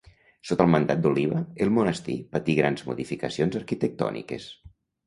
Sota el mandat d'Oliba el monestir patí grans modificacions arquitectòniques.